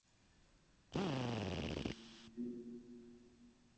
বরফের আস্তরণ এখানে এতই পাতলা যে একটা বড় পুরুষ ভালুক ভেঙে নীচে পড়ে যাবে।